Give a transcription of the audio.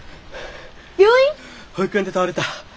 保育園で倒れた。